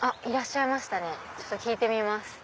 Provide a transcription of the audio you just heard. いらっしゃいましたねちょっと聞いてみます。